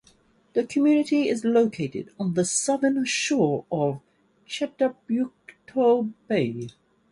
The community is located on the southern shore of Chedabucto Bay.